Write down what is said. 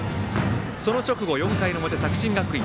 その直後、４回表、作新学院。